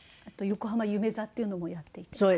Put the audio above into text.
あと横浜夢座っていうのもやっていて。